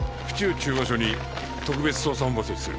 中央署に特別捜査本部を設置する。